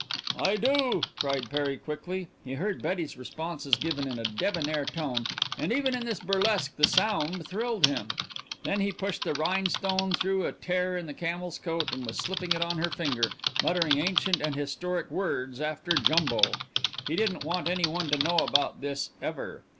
"I do!" cried Perry quickly. He heard Betty's responses given in a debonair tone, and even in this burlesque the sound thrilled him. Then he had pushed the rhinestone through a tear in the camel's coat and was slipping it on her finger, muttering ancient and historic words after Jumbo. He didn't want any one to know about this ever.